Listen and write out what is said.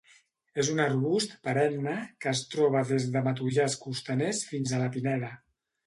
És un arbust perenne que es troba des de matollars costaners fins a la pineda.